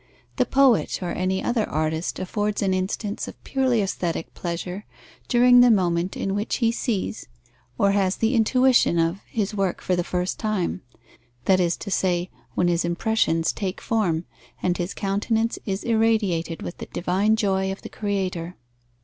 The poet or any other artist affords an instance of purely aesthetic pleasure, during the moment in which he sees (or has the intuition of) his work for the first time; that is to say, when his impressions take form and his countenance is irradiated with the divine joy of the creator.